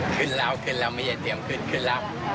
ขึ้นแล้วขึ้นแล้วไม่ได้เตรียมขึ้นขึ้นแล้ว